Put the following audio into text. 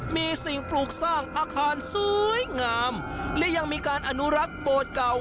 มีสิ่งปลูกสร้างอาคารสวยงามและยังมีการอนุรักษ์โบสถ์เก่า